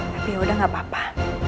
tapi yaudah gak apa apa